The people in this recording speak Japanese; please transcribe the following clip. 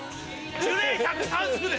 樹齢１３０年。